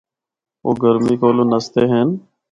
او گرمی کولو نسدے ہن۔